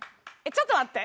ちょっと待って！